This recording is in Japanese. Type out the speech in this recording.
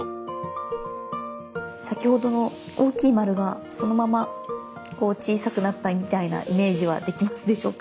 先ほどの大きい丸がそのままこう小さくなったみたいなイメージはできますでしょうか？